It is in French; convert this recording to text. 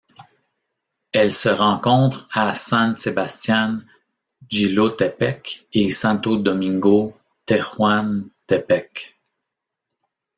Elle se rencontre à San Sebastián Jilotepec et Santo Domingo Tehuantepec.